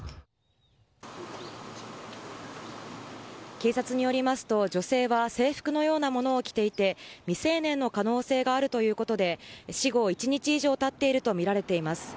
警察によりますと女性は制服のようなものを着ていて未成年の可能性があるということで死後一日以上たっているとみられています。